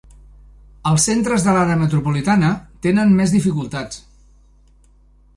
Els centres de l'àrea metropolitana tenen més dificultats.